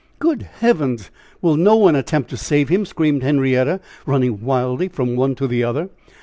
"Good heaven! will no one attempt to save him?" screamed Henrietta, running wildly from one to the other.